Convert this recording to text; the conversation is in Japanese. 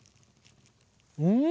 うん！